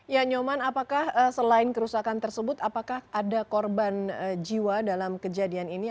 ya nyoman apakah selain kerusakan tersebut apakah ada korban jiwa dalam kejadian ini